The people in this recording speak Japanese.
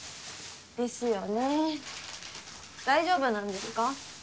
ですよね大丈夫なんですか？